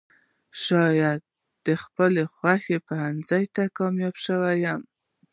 چې شايد د خپلې خوښې پوهنځۍ ته کاميابه شوې يم.